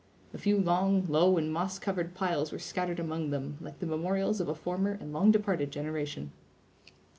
A few long, low, and moss covered piles were scattered among them, like the memorials of a former and long departed generation.